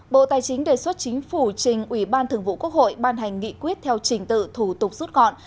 bộ tài chính đề xuất chính phủ trình ủy ban thường vụ quốc hội ban hành nghị quyết theo trình tự thủ tục rút gọn